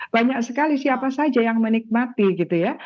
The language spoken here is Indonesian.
banyak sekali siapa saja yang menikmati gitu ya